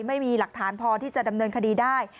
ไม่มีหลักฐานพอที่จะดำเนินคดีได้